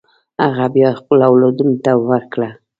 هغه بیا خپلو اولادونو ته ورکړه.